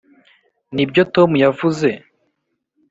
nibyo tom yavuze?